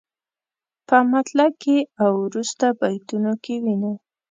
په مطلع کې او وروسته بیتونو کې وینو.